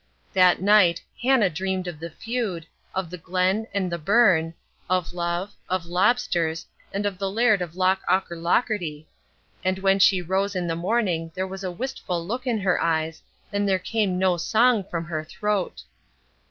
That night Hannah dreamed of the feud, of the Glen and the burn, of love, of lobsters, and of the Laird of Loch Aucherlocherty. And when she rose in the morning there was a wistful look in her eyes, and there came no song from her throat.